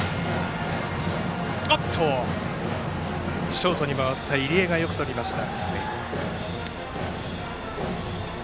ショートに回った入江がよくとりました。